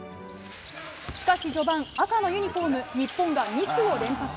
しかし序盤赤のユニホーム、日本がミスを連発。